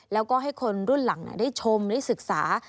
แล้วก็ให้คนรุ่นหลังได้ชมได้ศึกษา